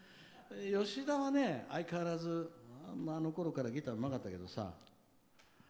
吉田は相変わらず、あのころからギターうまかったけどさ。